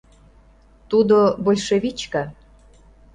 Тудо — большевичка.